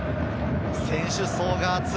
選手層が厚い。